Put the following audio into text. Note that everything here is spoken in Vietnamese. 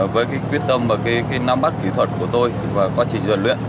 với quyết tâm và nắm bắt kỹ thuật của tôi và quá trình huấn luyện